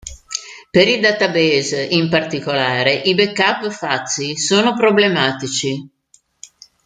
Per i database, in particolare, i backup fuzzy sono problematici.